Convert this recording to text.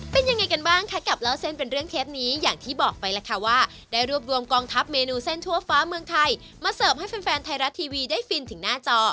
เป็นยังไงกันบ้างคะกับเล่าเส้นเป็นเรื่องเทปนี้อย่างที่บอกไปแล้วค่ะว่าได้รวบรวมกองทัพเมนูเส้นทั่วฟ้าเมืองไทยมาเสิร์ฟให้แฟนไทยรัฐทีวีได้ฟินถึงหน้าจอ